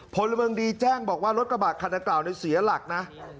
พลเมืองดีแจ้งบอกว่ารถกระบะคันดังกล่าวเสียหลักนะ